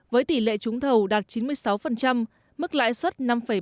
với tỷ lệ chúng thầu đạt chín mươi sáu mức lãi suất năm ba mươi chín